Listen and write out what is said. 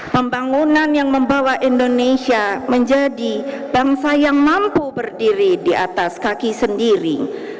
pembangunan yang membawa indonesia menjadi bangsa yang mampu berdiri di atas kaki sendiri